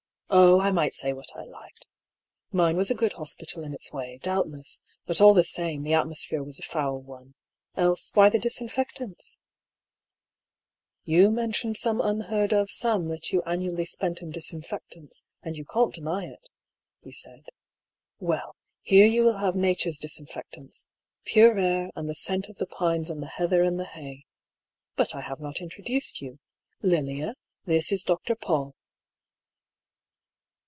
Oh ! I might say what I liked. Mine was a good hospital in its way, doubtless; but all the same, the atmosphere was a foul one. Else, why the disinfectants ?"" You mentioned some unheard of sum that you an nually spend in disinfectants, and you can't deny it," he said. " Well, here you will have Nature's disinfect ants — pure air, and the scent of the pines and the heather and the hay. But I have not introduced you. Lilia, this is Dr. Paull."